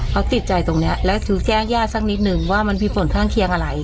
เขาติดใจตรงนี้แล้วถึงแจ้งญาติสักนิดนึงว่ามันมีผลข้างเคียงอะไร